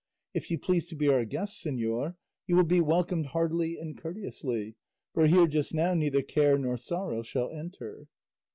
If you please to be our guest, señor, you will be welcomed heartily and courteously, for here just now neither care nor sorrow shall enter."